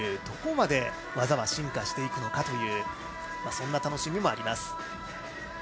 どこまで技は進化していくのかというそんな楽しみもあります。